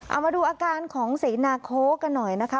เอามาดูอาการของเสนาโค้กกันหน่อยนะคะ